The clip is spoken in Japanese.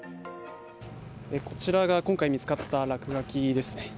こちらが今回見つかった落書きですね。